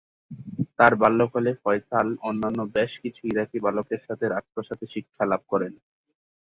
তার বাল্যকালে ফয়সাল অন্যান্য বেশ কিছু ইরাকি বালকের সাথে রাজপ্রাসাদে শিক্ষালাভ করেন।